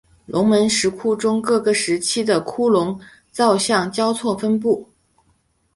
龙门石窟中各个时期的窟龛造像交错分布。